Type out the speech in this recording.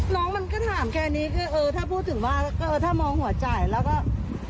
มันก็ถามแค่นี้คือเออถ้าพูดถึงว่าเออถ้ามองหัวจ่ายแล้วก็